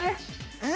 えっ？